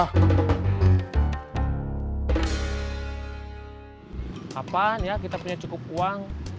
kapan ya kita punya cukup uang